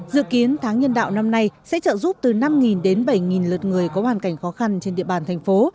dự kiến tháng nhân đạo năm nay sẽ trợ giúp từ năm đến bảy lượt người có hoàn cảnh khó khăn trên địa bàn thành phố